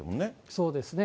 そうですね。